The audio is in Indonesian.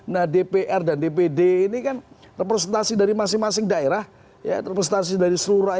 nah dpr dan dpd ini kan representasi dari masing masing daerah ya representasi dari seluruh indonesia